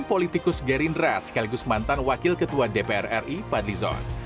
politikus gerindra sekaligus mantan wakil ketua dpr ri fadli zon